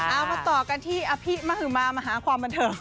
เอามาต่อกันที่อภิมหมามหาความบันเทิง